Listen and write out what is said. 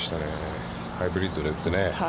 ハイブリッドで打ってね。